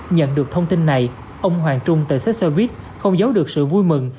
nhận được thông tin này ông hoàng trung tại xe buýt không giấu được sự vui mừng